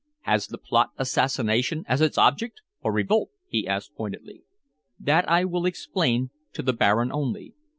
"Has the plot assassination as its object or revolt?" he asked pointedly. "That I will explain to the Baron only."